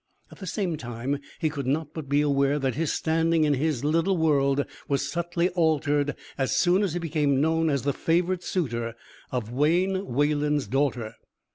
At the same time he could not but be aware that his standing in his little world was subtly altered as soon as he became known as the favored suitor of Wayne Wayland's daughter.